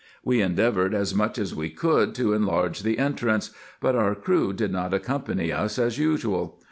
We endeavoured as much as we could to enlarge the entrance ; but our crew did not accompany us as usual.